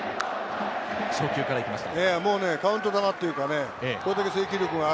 初球から行きました。